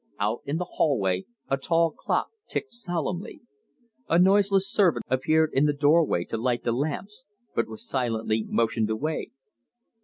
Out in the hallway a tall clock ticked solemnly. A noiseless servant appeared in the doorway to light the lamps, but was silently motioned away.